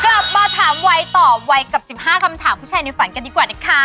กลับมาถามไวเติมหวัยกับ๑๕คำถามพูดชายในฝันดีกว่านะคะ